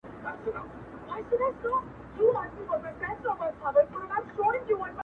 خو د کلي چوپتيا لا هم تر ټولو قوي ده،